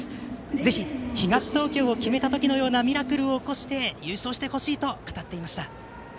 ぜひ東東京を決めた時のようなミラクルを起こして優勝してほしいと語っていました。